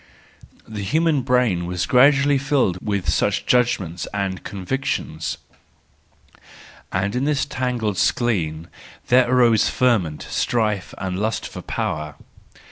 The human brain was gradually filled with such judgments and convictions; and in this tangled skein there arose ferment, strife and lust for power.